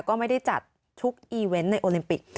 ก็ไม่ได้จัดทุกอีเวนต์ในโอลิมปิก